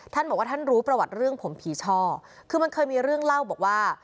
ท่านบอกว่าท่านรู้ประวัติเรื่องผมผีช่อคือมันเคยมีเรื่องเล่าบอกว่า